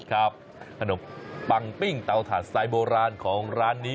ขนมปังปิ้งเตาถ่านสไตล์โบราณของร้านนี้